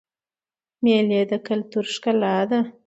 مېلې د کلتور ښکلا ده.